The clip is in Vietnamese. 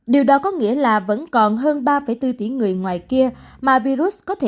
điều đó có nghĩa là vẫn còn hơn ba bốn tỷ người ngoài kia mà virus có thể coi cơ thể họ